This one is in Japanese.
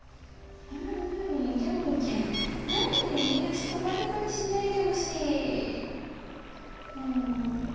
そこバリバリしないでほしい。